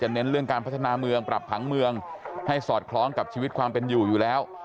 เน้นเรื่องการพัฒนาเมืองปรับผังเมืองให้สอดคล้องกับชีวิตความเป็นอยู่อยู่แล้ว